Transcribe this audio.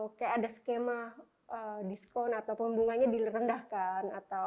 atau kayak ada skema diskon atau pembunganya direndahkan